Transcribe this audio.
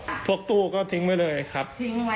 สมุดทวกตู้ก็ทิ้งไว้เลยครับ